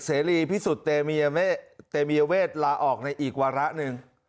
เสลีพิสูจน์เตมียเวตเนะมีเวตลาออกในอีกวาระนึง